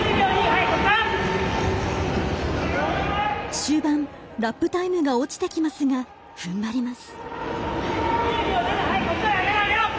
終盤、ラップタイムが落ちてきますが、ふんばります。